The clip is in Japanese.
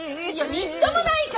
みっともないから！